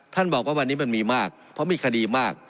บอกว่าวันนี้มันมีมากเพราะมีคดีมาก